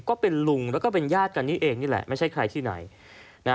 ก็เป็นลุงแล้วก็เป็นญาติกันนี่เองนี่แหละไม่ใช่ใครที่ไหนนะ